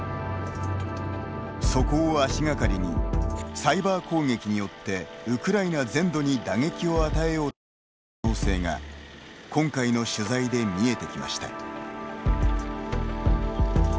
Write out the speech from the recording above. そこを足がかりにサイバー攻撃によってウクライナ全土に打撃を与えようとしていた可能性が今回の取材で見えてきました。